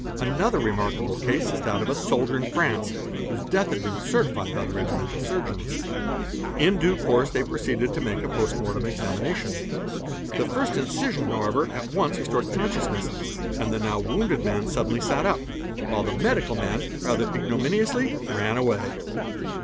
Another remarkable case is that of a soldier in France whose death had been certified by the regimental surgeons. In The first incision, however, at once restored consciousness, and the now woun ded man suddenly sat up, while the medical men rather ignominiously ran away."